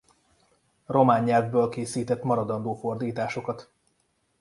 Román nyelvből készített maradandó fordításokat.